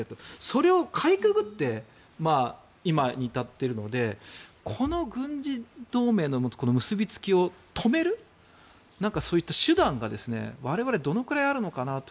それをかいくぐって今に至っているのでこの軍事同盟の結びつきを止めるそういった手段が我々どのくらいあるのかなと。